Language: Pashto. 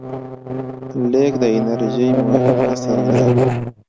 لیږد د انرژۍ مهم اصل دی.